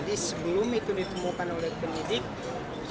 jadi sebelum itu ditemukan oleh penyelidikan